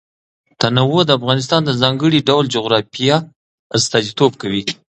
تنوع د افغانستان د ځانګړي ډول جغرافیه استازیتوب کوي.